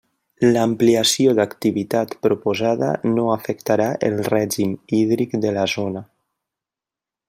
L'ampliació d'activitat proposada no afectarà el règim hídric de la zona.